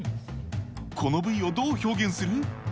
この部位をどう表現する？